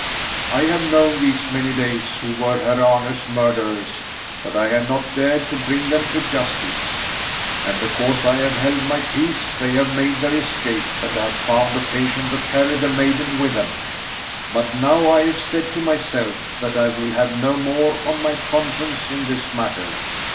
I have known these many days who were Herr Arne's murderers, but I have not dared to bring them to justice. And because I have held my peace they have made their escape and have found occasion to carry the maiden with them. But now I have said to myself that I will have no more of my conscience in this matter.